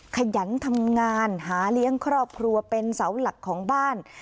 ขยันทำงานหาเลี้ยงครอบครัวเป็นเสาหลักของบ้าน